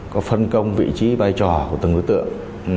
có phân công vị trí vai trò của từng đối tượng